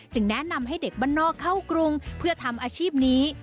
แนะนำให้เด็กบ้านนอกเข้ากรุงเพื่อทำอาชีพนี้